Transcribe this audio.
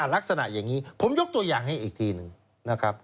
ลักษณะอย่างนี้ผมยกตัวอย่างให้อีกทีหนึ่งนะครับ